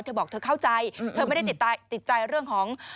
เธอบอกเธอเข้าใจเธอไม่ได้ติดใจเรื่องของ